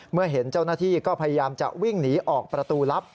เมื่อเห็นเจ้าหน้าที่ก็พยายามจะวิ่งหนีออกประตูลับ